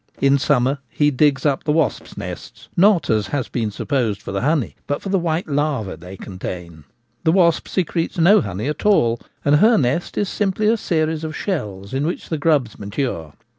In summer he digs up the wasps' nests, not, as has been supposed, for the honey, but for the white larvae they contain : the wasp secretes no honey at all, and her nest is simply a series of cells in which the grubs mature.